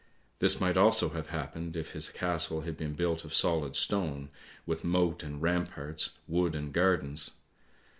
This might also have happened if his castle had been built of solid stone, with moat and ramparts, wood and gardens.